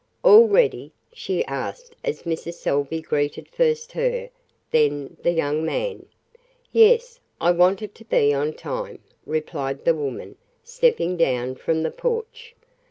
"All ready?" she asked as Mrs. Salvey greeted first her, then the young man. "Yes. I wanted to be on time," replied the woman, stepping down from the porch.